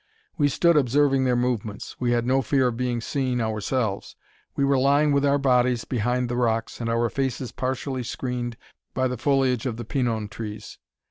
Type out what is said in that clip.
We stood observing their movements. We had no fear of being seen ourselves. We were lying with our bodies behind the rocks, and our faces partially screened by the foliage of the pinon trees.